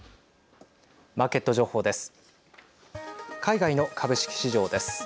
マーケット情報です。